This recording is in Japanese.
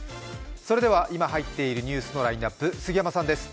それでは今入っているニュースのラインナップ杉山さん。